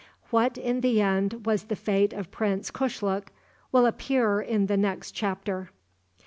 What, in the end, was the fate of Prince Kushluk, will appear in the next chapter.